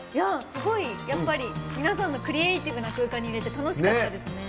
すごいやっぱり皆さんのクリエイティブな空間にいれて楽しかったですね。